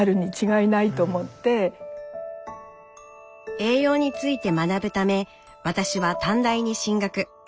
栄養について学ぶため私は短大に進学。